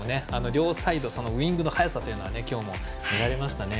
両サイド、ウイングの速さが今日も見られましたね。